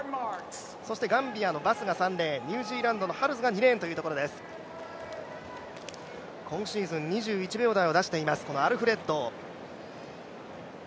そしてガンビアのバスが３レーン、ニュージーランドの選手が２レーンというところです今シーズン、２２秒台を出しています、このアルフレッド。